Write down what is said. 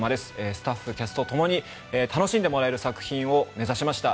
スタッフ、キャストともに楽しんでもらえる作品を目指しました。